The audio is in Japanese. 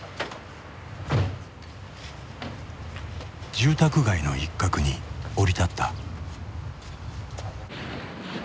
住宅街の一角に降り立った。